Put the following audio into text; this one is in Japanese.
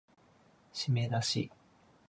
しめだし